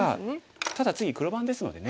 ただ次黒番ですのでね。